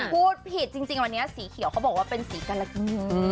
พูดผิดจริงวันนี้สีเขียวเขาบอกว่าเป็นสีกรกี